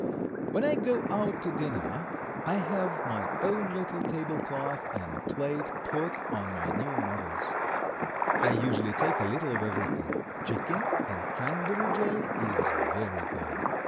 When I go out to dinner I have my own little table cloth and plate put by my new mother's. I usually take a little of everything; chicken and cranberry jelly is very good.